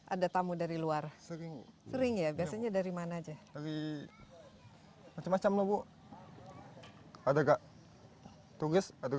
ada tamu dari luar sering ya biasanya dari mana aja lebih macam macam lo bu ada tugas atau